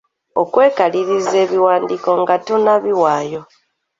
Okwekaliriza ebiwandiiko nga tonnabiwaayo.